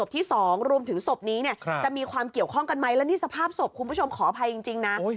ที่๒รวมถึงศพนี้เนี่ยจะมีความเกี่ยวข้องกันไหมแล้วนี่สภาพศพคุณผู้ชมขออภัยจริงนะ